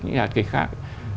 những hạt kịch khác